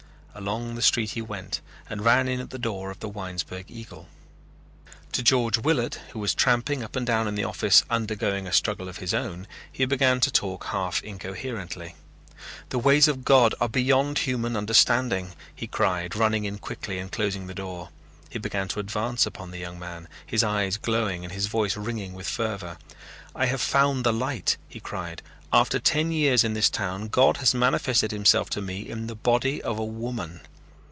Along the street he went and ran in at the door of the Winesburg Eagle. To George Willard, who was tramping up and down in the office undergoing a struggle of his own, he began to talk half incoherently. "The ways of God are beyond human understanding," he cried, running in quickly and closing the door. He began to advance upon the young man, his eyes glowing and his voice ringing with fervor. "I have found the light," he cried. "After ten years in this town, God has manifested himself to me in the body of a woman."